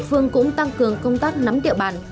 đội phương cũng tăng cường công tác nắm tiệu bàn